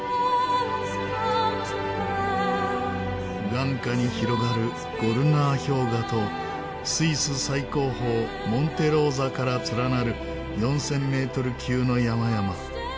眼下に広がるゴルナー氷河とスイス最高峰モンテローザから連なる４０００メートル級の山々。